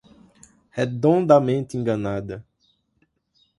Redondamente enganada